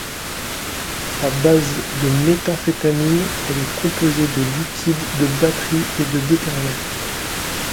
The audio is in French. À base de méthamphétamine, elle est composée de liquide de batterie et de détergent.